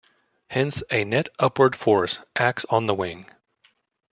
Hence, a net upward force acts on the wing.